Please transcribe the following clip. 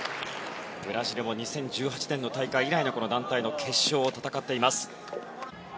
ブラジルも２０１８年の大会以来のこの団体の決勝を戦っています。